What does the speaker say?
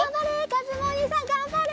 かずむおにいさんがんばれ！